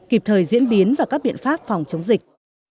kịp thời diễn biến và các biện pháp phòng chống dịch